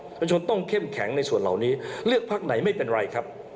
ประชาชนต้องเข้มแข็งในส่วนเหล่านี้เลือกพักไหนไม่เป็นไรครับ